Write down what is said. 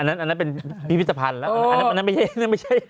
อันนั้นอันนั้นเป็นพิพิสภัณฑ์แล้วอ๋ออันนั้นไม่ใช่อันนั้นไม่ใช่